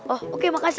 oh oke makasih